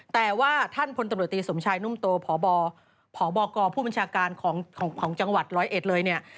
แต่ว่าท่านพลตำรวจตีสมชายนุ่มโตพบกผู้บัญชาการของจังหวัดร้อยเอ็ดเลยเนี่ย